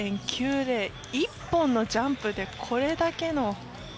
１本のジャンプでこれだけの。